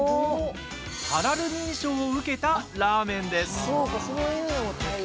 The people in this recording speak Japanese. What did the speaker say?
ハラル認証を受けたラーメンです。